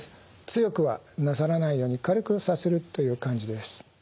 強くはなさらないように軽くさするという感じです。